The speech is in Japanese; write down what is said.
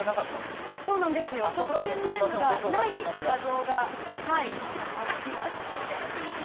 ペンネームがない画像がありましたので。